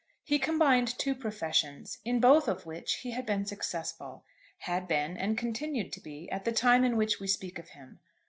He combined two professions, in both of which he had been successful, had been, and continued to be, at the time in which we speak of him.